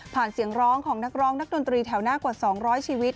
เสียงร้องของนักร้องนักดนตรีแถวหน้ากว่า๒๐๐ชีวิต